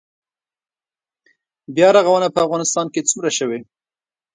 بیا رغونه په افغانستان کې څومره شوې؟